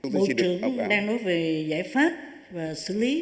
bộ trưởng đang nói về giải pháp và xử lý